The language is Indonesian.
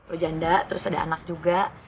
pro janda terus ada anak juga